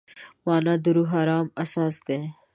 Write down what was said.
مانا د روح د ارام اساس دی.